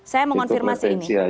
saya mengonfirmasi ini